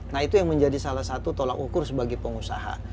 nah itu yang menjadi salah satu tolak ukur sebagai pengusaha